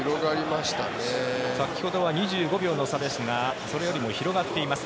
先ほどは２５秒の差ですがそれよりも広がっています。